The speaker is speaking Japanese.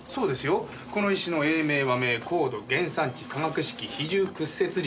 この石の英名和名硬度原産地化学式比重屈折率。